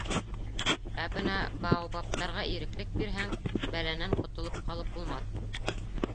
Ә бына баобабтарға иреклек бирһәң, бәләнән ҡотолоп ҡалып булмаҫ.